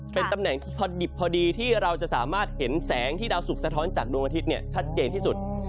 เป็นตำแหน่งที่พอดิบพอดีที่เราจะสามารถเห็นแสงที่ดาวสุกสะท้อนจากดวงอาทิตย์ชัดเจนที่สุด